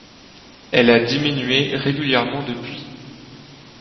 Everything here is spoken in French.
Elle a diminué régulièrement depuis.